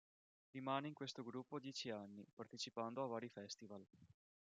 Rimane in questo gruppo dieci anni, partecipando a vari festival.